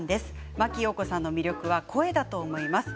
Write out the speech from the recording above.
真木よう子さんの魅力は声だと思います。